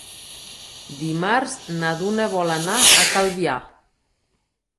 Dimarts na Duna vol anar a Calvià.